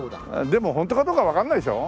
でもホントかどうかわかんないでしょ？